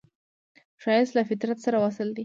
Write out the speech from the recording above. ښایست له فطرت سره وصل دی